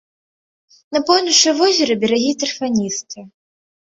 На поўначы возера берагі тарфяністыя.